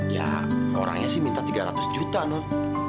ya orangnya sih minta tiga ratus juta non